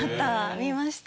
見ました。